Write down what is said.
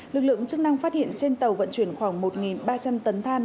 lực lượng chức năng phát hiện trên tàu vận chuyển khoảng một ba trăm linh tấn than